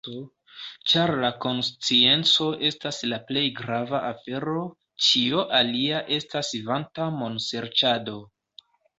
Ĉar la konscienco estas la plej grava afero, ĉio alia estas vanta monserĉado.